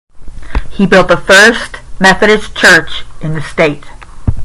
He built the first Methodist church in the state.